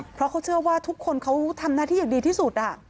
เพราะเขาเชื่อว่าทุกคนเขาทำหน้าที่อย่างดีที่สุด